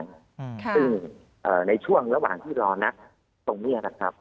คือในช่วงระหว่างที่รอนักตรงเนียน